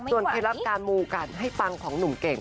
เคล็ดลับการมูกันให้ปังของหนุ่มเก่ง